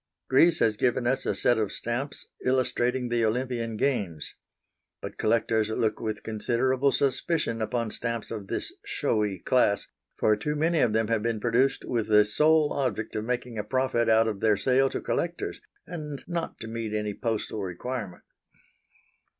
Greece has given us a set of stamps illustrating the Olympian Games. But collectors look with considerable suspicion upon stamps of this showy class, for too many of them have been produced with the sole object of making a profit out of their sale to collectors, and not to meet any postal requirement.